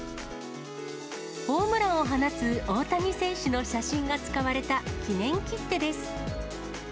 ホームランを放つ大谷選手の写真が使われた記念切手です。